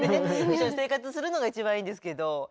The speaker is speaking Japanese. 一緒に生活するのが一番いいですけど。